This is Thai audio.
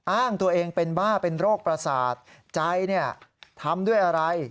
อ้างตัวเองเป็นบ้าเป็นโรคประสาทใจทำด้วยอะไร